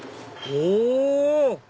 お！